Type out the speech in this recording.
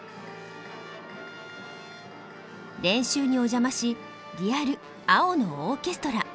練習にお邪魔しリアル「青のオーケストラ」